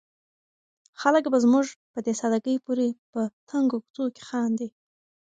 خلک به زموږ په دې ساده ګۍ پورې په تنګو کوڅو کې خاندي.